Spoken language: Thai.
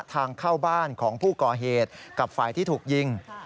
ทางเข้าบ้านของผู้ก่อเหตุกับฝ่ายที่ถูกยิง